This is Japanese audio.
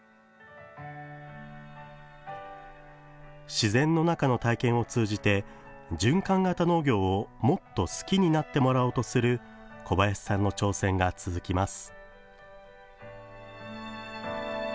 自然の中の体験を通じて循環型農業をもっと好きになってもらおうとする小林さんの挑戦が続きます。